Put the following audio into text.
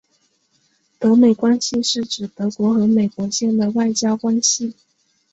德美关系是指德国和美国间的外交关系。